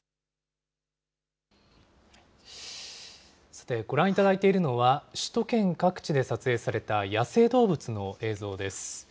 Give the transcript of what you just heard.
さて、ご覧いただいているのは、首都圏各地で撮影された野生動物の映像です。